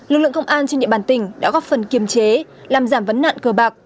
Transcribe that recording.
lực lượng công an trên địa bàn tỉnh đã góp phần kiềm chế làm giảm vấn nạn cờ bạc